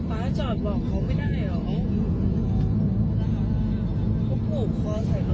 ป๊าจอดบอกเขาไม่ได้เหรอ